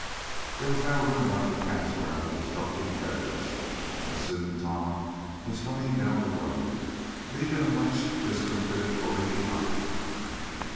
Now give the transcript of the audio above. There was now room enough to pass around the obstructing carriage, and soon Tom was humming down the road, leaving a much discomfited bully behind him.